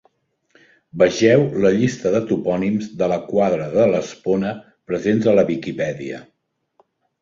Vegeu la llista de Topònims de la quadra de l'Espona presents a la Viquipèdia.